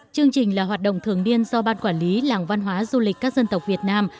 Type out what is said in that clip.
chương trình là hoạt động thường niên do ban quản lý làng văn hóa du lịch các dân tộc việt nam